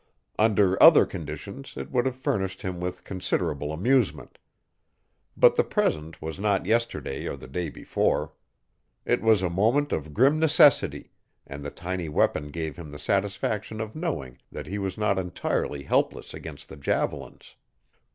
Under other conditions it would have furnished him with considerable amusement. But the present was not yesterday or the day before. It was a moment of grim necessity and the tiny weapon gave him the satisfaction of knowing that he was not entirely helpless against the javelins.